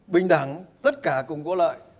bình đẳng tất cả cùng có lợi